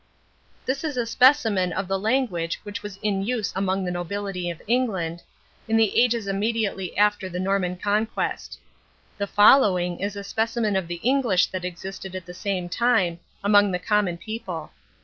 This is a specimen of the language which was in use among the nobility of England, in the ages immediately after the Norman conquest. The following is a specimen of the English that existed at the same time, among the common people.